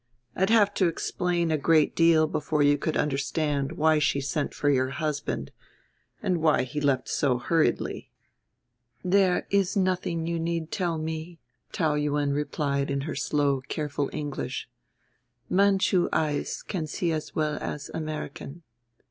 I'd have to explain a great deal before you could understand why she sent for your husband and why he left so hurriedly." "There is nothing you need tell me," Taou Yuen replied in her slow careful English. "Manchu eyes can see as well as American."